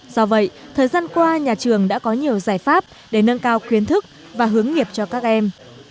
do vậy thời gian qua nhà trường đã có nhiều giải pháp để nâng cao kiến thức và hướng nghiệp cho các em